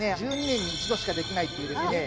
１２年に一度しかできないっていうですね